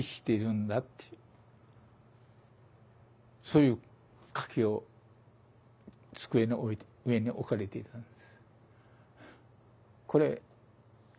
そういう書きを机の上に置かれていたんです。